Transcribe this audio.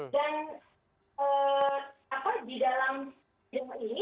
dan di dalam ini dikatakan ada tiga hal dalam survei ini ya